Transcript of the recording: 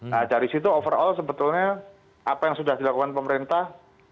nah dari situ overall sebetulnya apa yang sudah dilakukan pemerintah